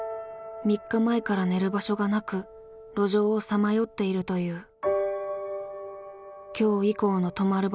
３日前から寝る場所がなく路上をさまよっているという。